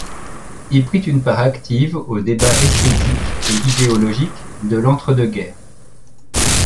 Il prit une part active aux débats esthétiques et idéologiques de l'entre-deux guerres.